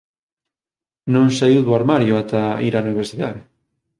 Non saíu do armario ata ir á universidade